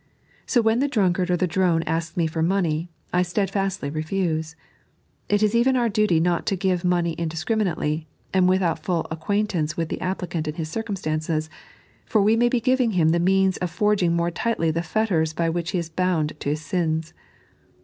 So when the drunkard or the drone asks me for money, I steadfastly refuse. It is even our duty not to give money indiscriminately, and without full acquaintance with the applicant and his circumstances, for we may be giving him the means of forging more tightly the fetters by which be is bound to his sins.